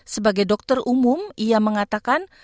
sebagai dokter umum ia mengatakan